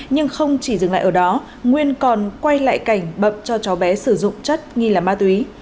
nhưng không chỉ dừng lại ở đó nguyên còn quay lại cảnh bậm cho cháu bé sử dụng chất nghi là ma túy